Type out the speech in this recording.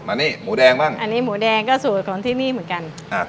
อันนี้หมูแดงบ้างอันนี้หมูแดงก็สูตรของที่นี่เหมือนกันอ่า